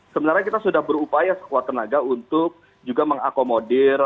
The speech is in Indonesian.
sebenarnya kita sudah berupaya sekuat tenaga untuk juga mengakomodir